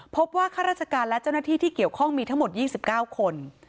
ข้าราชการและเจ้าหน้าที่ที่เกี่ยวข้องมีทั้งหมด๒๙คน